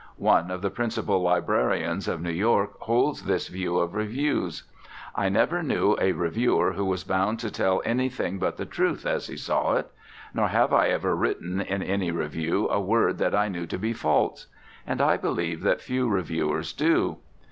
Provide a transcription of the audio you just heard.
One of the principal librarians of New York holds this view of reviews. I never knew a reviewer who was bound to tell anything but the truth as he saw it. Nor have I ever written in any review a word that I knew to be false; and I believe that few reviewers do.